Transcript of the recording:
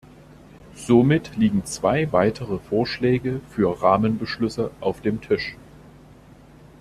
Somit liegen zwei weitere Vorschläge für Rahmenbeschlüsse auf dem Tisch.